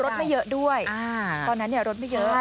ไม่เยอะด้วยตอนนั้นรถไม่เยอะ